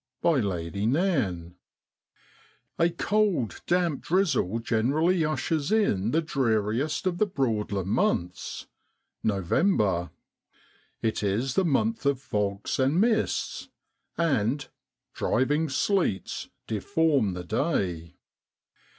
Lady Nairn. COLD, damp drizzle generally ushers in the dreariest of the Broadland months November. It is the month of fogs and mists ; and * Driving sleets deform the day.'